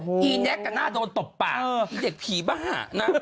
อีแน็กกระหน้าโดนตบปากไอ้เด็กผีบ้า